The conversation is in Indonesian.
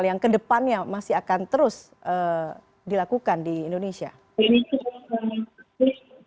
yang ke depannya masih akan terus dilakukan di indonesia